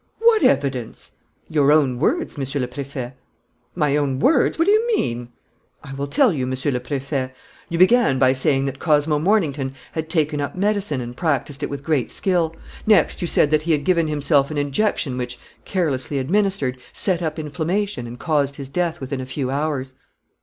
"What evidence?" "Your own words, Monsieur le Préfet." "My own words? What do you mean?" "I will tell you, Monsieur le Préfet. You began by saying that Cosmo Mornington had taken up medicine and practised it with great skill; next, you said that he had given himself an injection which, carelessly administered, set up inflammation and caused his death within a few hours."